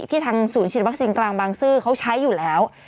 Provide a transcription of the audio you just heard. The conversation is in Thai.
ทางศูนย์ฉีดวัคซีนกลางบางซื่อเขาใช้อยู่แล้ว